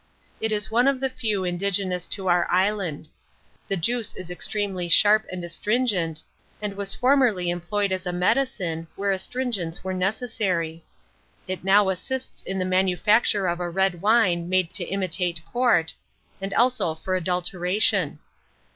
It is one of the few indigenous to our island. The juice is extremely sharp and astringent, and was formerly employed as a medicine, where astringents were necessary. It now assists in the manufacture of a red wine made to imitate port, and also for adulteration.